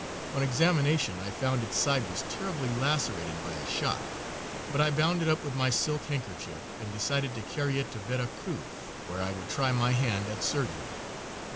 On examination I found its side was terribly lacerated by a shot, but I bound it up with my silk handkerchief and decided to carry it to Vera Cruz, where I would try my hand at surgery.